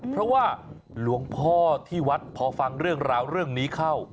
เพราะว่าหลวงพ่อที่วัดพอฟังเรื่องราวเรื่องนี้เข้า